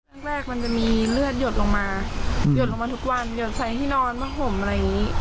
แรกมันจะมีเลือดหยดลงมาหยดลงมาทุกวันหยดใส่ที่นอนผ้าห่มอะไรอย่างนี้